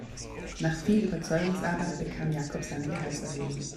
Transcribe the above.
Nach viel Überzeugungsarbeit bekam Jakob seine Gehaltserhöhung.